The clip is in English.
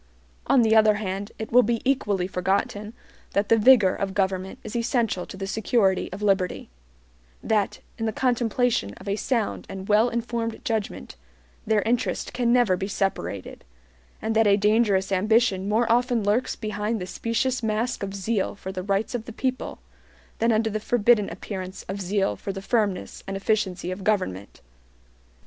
On the other hand, it will be equally forgotten that the vigor of government is essential to the security of liberty; that, in the contemplation of a sound and well informed judgment, their interest can never be separated; and that a dangerous ambition more often lurks behind the specious mask of zeal for the rights of the people than under the forbidden appearance of zeal for the firmness and efficiency of government.